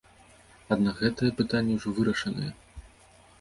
Аднак гэтае пытанне ўжо вырашанае.